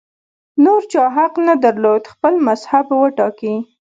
نور چا حق نه درلود خپل مذهب وټاکي